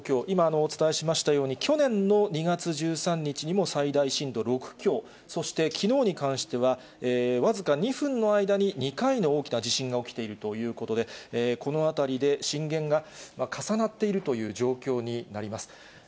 今お伝えしましたように、去年の２月１３日にも最大震度６強、そして、きのうに関しては、僅か２分の間に２回の大きな地震が起きているということで、この辺りで震源が重なっているという状況になります。